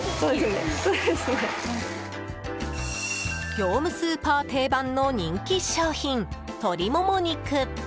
業務スーパー定番の人気商品鶏もも肉。